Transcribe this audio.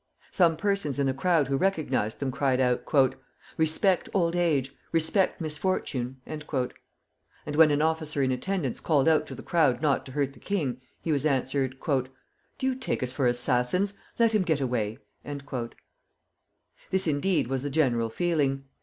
Some persons in the crowd who recognized them, cried out: "Respect old age! Respect misfortune!" And when an officer in attendance called out to the crowd not to hurt the king, he was answered: "Do you take us for assassins? Let him get away!" This, indeed, was the general feeling.